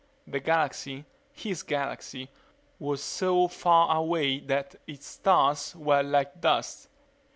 The galaxy his galaxy was so far away that its stars were like dust.